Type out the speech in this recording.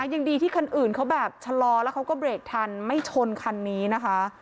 ยังดีที่คันอื่นเขาแบบชะลอแล้วเขาก็เบรกทันไม่ชนคันนี้นะคะ